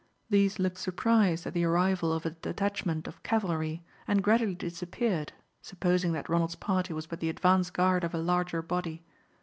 These looked surprised at the arrival of a detachment of cavalry, and gradually disappeared, supposing that Ronald's party was but the advance guard of a larger body.